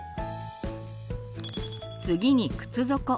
次に靴底。